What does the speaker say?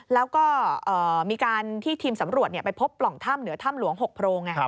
แล้วก็มีการที่ทีมสำรวจไปพบปล่องถ้ำเหนือถ้ำหลวง๖โพรง